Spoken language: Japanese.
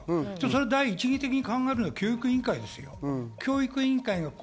第一義的に考えると教育委員会です。